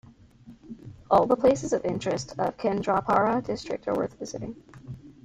All the places of interest of Kendrapara District are worth visiting.